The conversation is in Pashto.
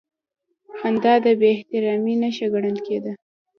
خندا د بېاحترامۍ نښه ګڼل کېده.